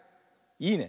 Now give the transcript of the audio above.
いいね。